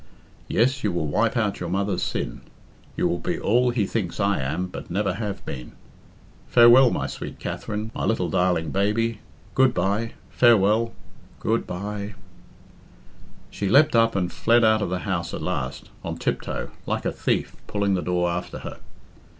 Yes, you will wipe out your mother's sin. You will be all he thinks I am, but never have been. Farewell, my sweet Katherine, my little, darling baby good bye farewell good bye!" She leapt up and fled out of the house at last, on tiptoe, like a thief, pulling the door after her.